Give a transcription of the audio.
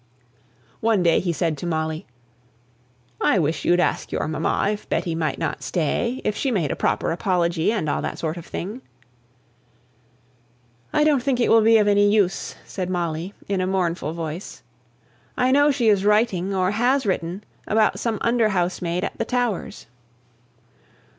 One day he said to Molly, "I wish you'd ask your mamma if Betty might not stay, if she made a proper apology, and all that sort of thing." "I don't much think it will be of any use," said Molly, in a mournful voice. "I know she is writing, or has written, about some under housemaid at the Towers."